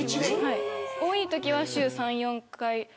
多いときは週３、４回。